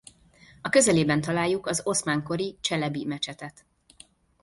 A közelében találjuk az oszmán-kori Cselebi mecsetet.